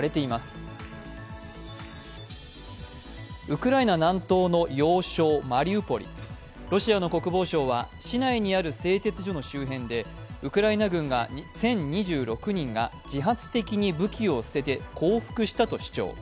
ウクライナ南東の要衝・マウリポリロシアの国防省は市内にある製鉄所の周辺でウクライナ軍１０２６人が自発的に武器を捨てて降伏したと主張。